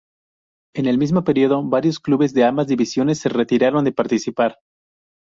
En el mismo periodo varios clubes de ambas divisiones se retiraron de participar.